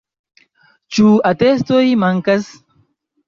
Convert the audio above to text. Ĉu atestoj mankas?